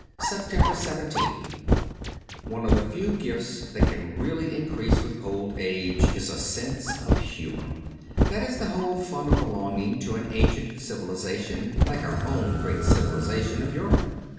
* 289 SEPTEMBER 17th ONE of the few gifts that can really increase with old age is a sense of humour. That is the whole fun of belonging to an ancient civilization like our own great civilization of Europe.